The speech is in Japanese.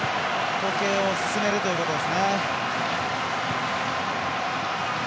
時計を進めるということですね。